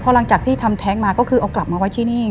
หลังจากที่ทำแท้งมาก็คือเอากลับมาไว้ที่นี่